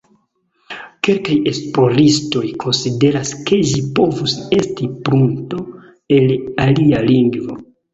Kelkaj esploristoj konsideras ke ĝi povus estis prunto el alia lingvo.